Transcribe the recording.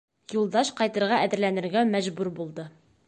Юлдаш ҡайтырға әҙерләнергә мәжбүр булды.